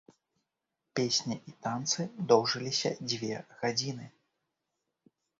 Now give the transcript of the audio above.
Песні і танцы доўжыліся дзве гадзіны.